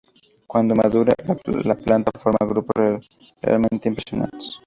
Cuando madura, la planta forma grupos realmente impresionantes.